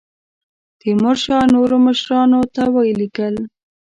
تیمورشاه نورو مشرانو ته ولیکل.